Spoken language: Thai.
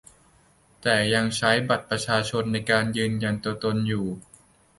แต่ยังใช้บัตรประชาชนในการยืนยันตัวตนอยู่